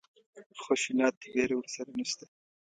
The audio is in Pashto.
خشونت وېره ورسره نشته.